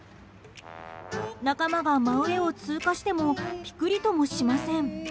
仲間が真上を通過してもピクリともしません。